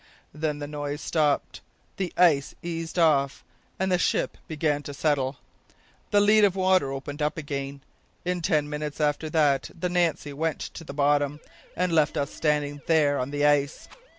Then the noise stopped, the ice eased off, and the ship began to settle. The lead of water opened up again; in ten minutes after that the Nancy went to the bottom and left us standing there on the ice.